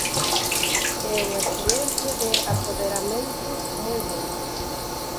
É unha experiencia de apoderamento moi boa.